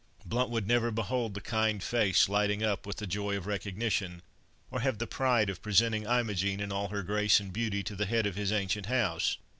Blount would never behold the kind face lighting up with the joy of recognition, or have the pride of presenting Imogen in all her grace and beauty to the head of his ancient house.